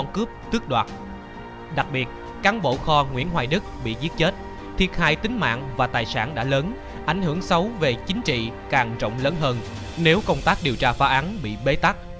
công an và tài sản đã lớn ảnh hưởng xấu về chính trị càng rộng lớn hơn nếu công tác điều tra phá án bị bế tắc